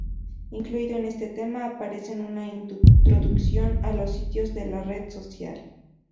Incluido en este tema aparece una introducción a los sitios de la red social.